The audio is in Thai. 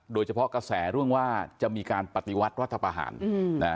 โดยเฉพาะกระแสเรื่องว่าจะมีการปฏิวัติวัตรวัฒนภาษาอาหารนะ